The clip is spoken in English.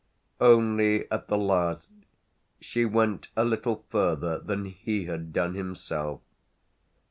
Only at the last she went a little further than he had done himself.